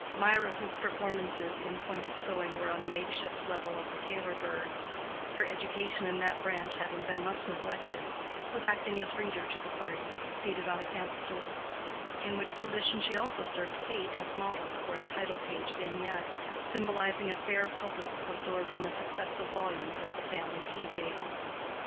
Mirah, whose performances in point of sewing were on the make shift level of the tailor bird's, her education in that branch having been much neglected, was acting as reader to the party, seated on a camp stool; in which position she also served Kate as model for a title page vignette, symbolizing a fair public absorbed in the successive volumes of the family tea table.